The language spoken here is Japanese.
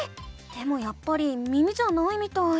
でもやっぱり耳じゃないみたい。